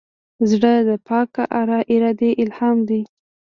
زړه د پاک ارادې الهام دی.